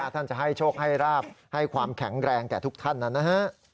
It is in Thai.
ท่านจะให้โชคให้ราบให้ความแข็งแรงแก่ทุกท่านนะฮะ